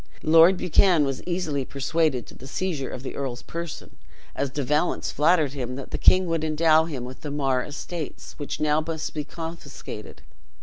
Lord Buchan was easily persuaded to the seizure of the earl's person, as De Valence flattered him that the king would endow him with the Mar estates, which must now be confiscated.